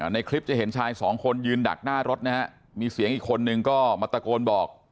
ในคลิปจะเห็นชายสองคนยืนดักหน้ารถนะฮะมีเสียงอีกคนนึงก็มาตะโกนบอก